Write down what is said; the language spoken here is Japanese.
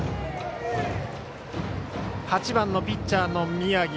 ８番のピッチャーの宮城。